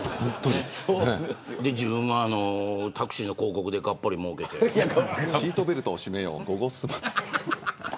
それで、自分もタクシーの広告で、がっぽり、もうけてシートベルトを締めようゴゴスマ。